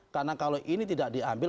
karena kalau ini tidak diambil